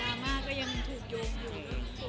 ดราม้าก็ยังถูกยกอยู่